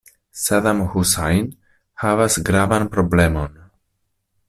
Sadam Husajn havas gravan problemon.